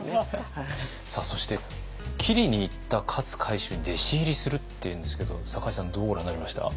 そして斬りにいった勝海舟に弟子入りするっていうんですけど酒井さんどうご覧になりました？